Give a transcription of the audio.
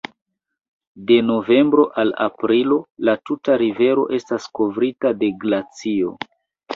De novembro al aprilo la tuta rivero estas kovrita de glacio.